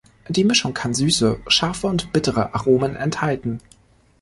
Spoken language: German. Die Mischung kann süße, scharfe und bittere Aromen enthalten.